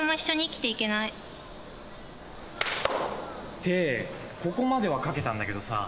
ってここまでは書けたんだけどさ